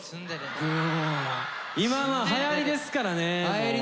今はやりですからね。